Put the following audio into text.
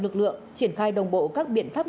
lực lượng triển khai đồng bộ các biện pháp